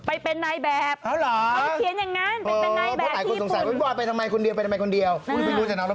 ไปเป็นนักแบบไปเขียนอย่างนั้นเป็นให้ให้แบบที่ญี่ปุ่มเอ้าเหรอ